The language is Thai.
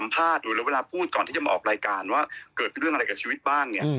พอพูดก่อนมีรายการเกิดเรื่องอะไรของชีวิตบ้าง